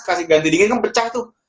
kasih ganti dingin kempecah tuh